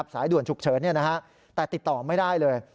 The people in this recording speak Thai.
สายด่วนฉุกเฉินแต่ติดต่อไม่ได้เลย